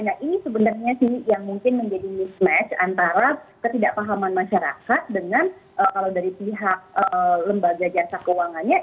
nah ini sebenarnya sih yang mungkin menjadi mismatch antara ketidakpahaman masyarakat dengan kalau dari pihak lembaga jasa keuangannya